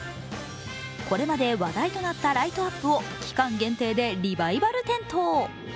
これまで話題となったライトアップを期間限定でリバイバル点灯。